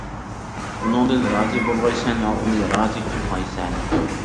ئۇنىڭدىن رازى بولغايسەن ۋە ئۇنى رازى قىلغايسەن.